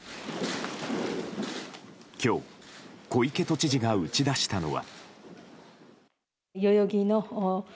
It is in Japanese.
今日、小池都知事が打ち出したのは。